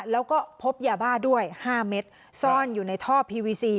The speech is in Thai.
แล้วก็พบยาบ้าด้วย๕เม็ดซ่อนอยู่ในท่อพีวีซี